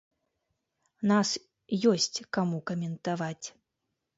Нас ёсць каму каментаваць.